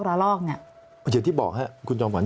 อย่างที่บอกครับคุณจอมขวั